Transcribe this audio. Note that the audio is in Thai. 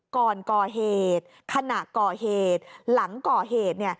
ก่อนก่อเหตุขณะก่อเหตุหลังก่อเหตุ